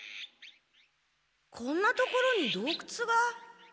こんな所にどうくつが。